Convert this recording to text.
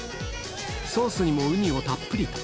ソースにもウニをたっぷりと。